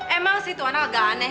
emang sih itu anak gak aneh